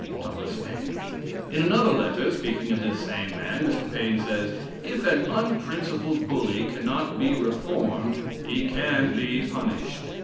Thomas Paine" In another letter, speaking of this same man, Mr. Paine says: "If an unprincipled bully can not be reformed, he can be punished."